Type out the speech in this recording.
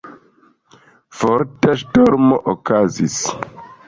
Forta ŝtormo okazis.